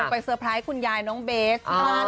เซอร์ไพรส์คุณยายน้องเบส